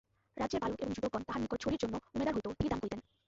রাজ্যের বালক এবং যুবকগণ তাঁহার নিকট ছড়ির জন্য উমেদার হইত, তিনি দান করিতেন।